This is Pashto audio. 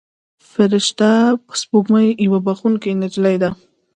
فرشته سپوږمۍ یوه بښونکې نجلۍ ده.